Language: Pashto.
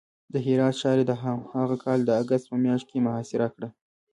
د هرات ښار یې د هماغه کال د اګست په میاشت کې محاصره کړ.